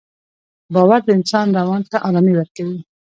باور د انسان روان ته ارامي ورکوي.